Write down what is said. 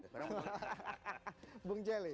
hahaha bung jelit